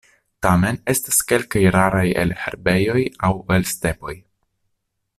Tamen estas kelkaj raraj el herbejoj aŭ el stepoj.